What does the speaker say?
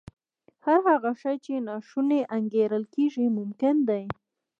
هر هغه شی چې ناشونی انګېرل کېږي ممکن دی